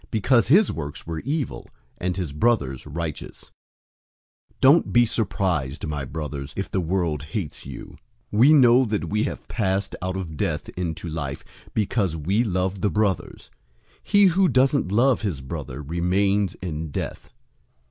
Because his works were evil, and his brother's righteous. 003:013 Don't be surprised, my brothers, if the world hates you. 003:014 We know that we have passed out of death into life, because we love the brothers. He who doesn't love his brother remains in death.